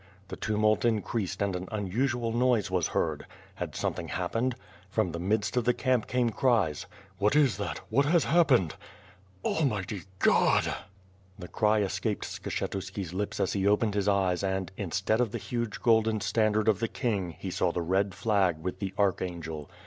The tumult increased and an unusual noise was heard. Had something happened. From the midst of the camp came cries. "What is that? What has happened ?" "Almighty God!'' This cry escaj)ed Skshetuski's lips as ho opened his eyes and, instead of tlie huge golden standard of the king he saw the red flag with the archangel.